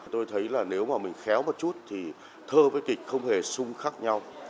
tôi thấy là nếu mà mình khéo một chút thì thơ với kịch không hề sung khác nhau